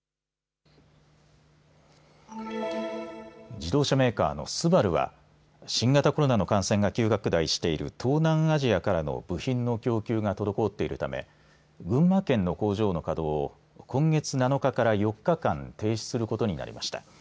自動車メーカーのＳＵＢＡＲＵは新型コロナの感染が急拡大している東南アジアからの部品の供給が滞っているため群馬県の工場の稼働を今月７日から４日間、停止することになりました。